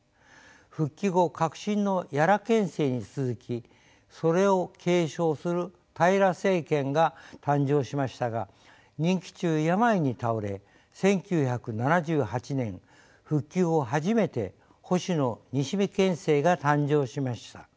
復帰後革新の屋良県政に続きそれを継承する平良県政が誕生しましたが任期中病に倒れ１９７８年復帰後初めて保守の西銘県政が誕生しました。